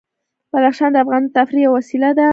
بدخشان د افغانانو د تفریح یوه وسیله ده.